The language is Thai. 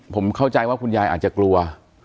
ผมเข้าใจว่าคุณยายอาจจะกลัว